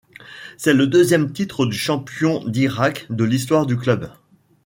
C'est le deuxième titre de champion d'Irak de l'histoire du club.